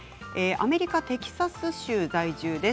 アメリカテキサス州在住です。